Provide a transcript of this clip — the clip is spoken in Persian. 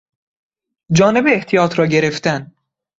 جانب احتیاط را گرفتن